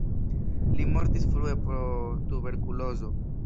Li mortis frue pro tuberkulozo.